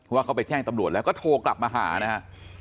ว่าเขาไปแจ้งตำรวจแล้วก็โทรกลับมาหานะครับ